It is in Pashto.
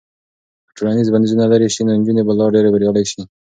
که ټولنیز بندیزونه لرې شي نو نجونې به لا ډېرې بریالۍ شي.